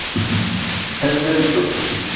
Es deeco.